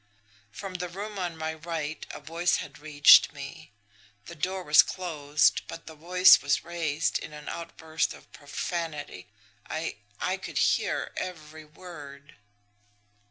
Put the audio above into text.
From the room on my right a voice had reached me. The door was closed, but the voice was raised in an outburst of profanity. I I could hear every word.